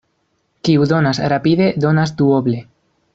Kiu donas rapide, donas duoble.